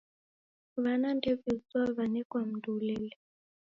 W'ana ndew'iuzwa, w'anekwa mundu ulele.